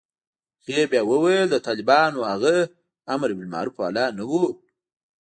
هغې بيا وويل د طالبانو هغه امربالمعروف والا نه و.